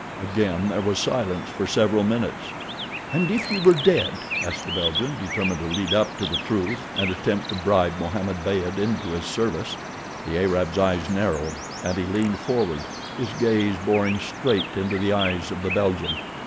Again there was silence for several minutes. "And if he were dead?" asked the Belgian, determined to lead up to the truth, and attempt to bribe Mohammed Beyd into his service. The Arab's eyes narrowed and he leaned forward, his gaze boring straight into the eyes of the Belgian.